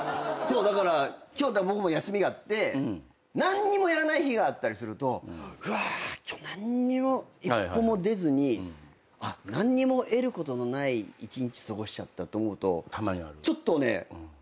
だから僕休みがあって何にもやらない日あったりするとうわ今日何にも一歩も出ずに何にも得ることのない１日過ごしちゃったと思うとちょっとねやっぱあるんですよ。